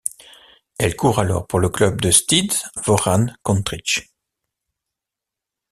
Elle court alors pour le club de Steeds Vooran Kontrich.